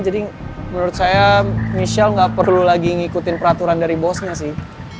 jadi menurut saya michelle gak perlu lagi ngikutin peraturan dari bosnya sih